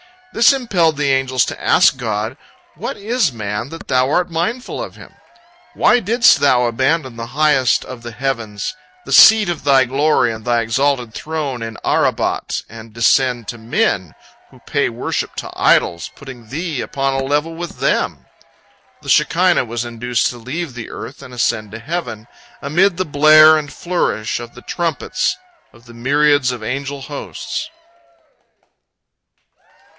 This impelled the angels to ask God: "'What is man, that Thou art mindful of him?' Why didst Thou abandon the highest of the heavens, the seat of Thy glory and Thy exalted Throne in 'Arabot, and descend to men, who pay worship to idols, putting Thee upon a level with them?" The Shekinah was induced to leave the earth and ascend to heaven, amid the blare and flourish of the trumpets of the myriads of angel hosts.